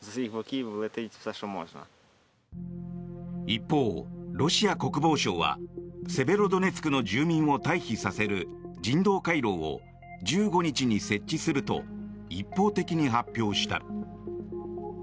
一方、ロシア国防省はセベロドネツクの住民を退避させる人道回廊を１５日に設置すると一方的に発表した。